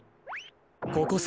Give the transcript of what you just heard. ここさ。